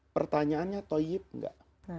pertanyaannya toyib atau tidak